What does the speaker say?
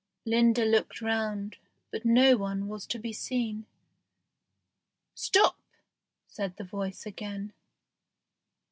Linda looked round, but no one was to be seen. "Stop!" said the voice again.